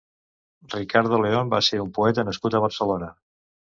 Ricardo León va ser un poeta nascut a Barcelona.